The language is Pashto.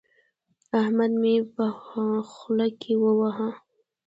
احمد مې په خوله کې وواهه.